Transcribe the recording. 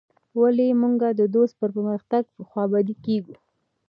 ولي موږ د دوست په پرمختګ خوابدي کيږو.